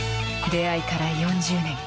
出会いから４０年。